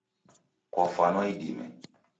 Kwafwanwa idime!